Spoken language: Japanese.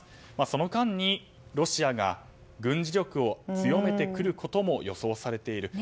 その間にロシアが軍事力を強めてくることも予想されていると。